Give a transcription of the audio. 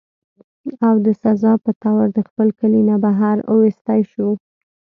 او د سزا پۀ طور د خپل کلي نه بهر اوويستی شو